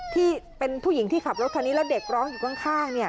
ที่เป็นผู้หญิงที่ขับรถคันนี้แล้วเด็กร้องอยู่ข้าง